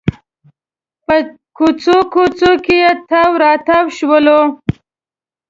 په کوڅو کوڅو کې تاو راتاو شولو.